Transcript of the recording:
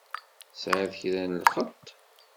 Tesεiḍ kra n lxeṭṭ?